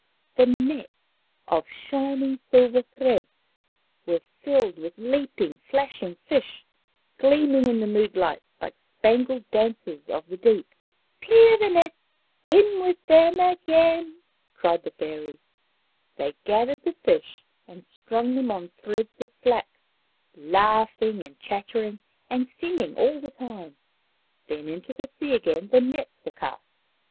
The nets, of shining silver threads, were filled with leaping, flashing fish, gleaming in the moonlight like spangled dancers of the deep. " Clear the nets ! In with them again !" cried the fairies. They gathered the fish and strung them on threads of flax, laughing, chattering and singing all the time. Then into the sea again the nets were cast.